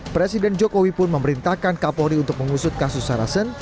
presiden jokowi pun memerintahkan kapolri untuk mengusut kasus sarasen